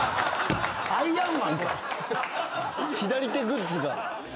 左手グッズが。